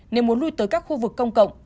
nếu muốn lui tới các khu vực công cộng